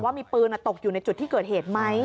ว่ามีปืนตกอยู่ในจุดที่เกิดเหตุไหม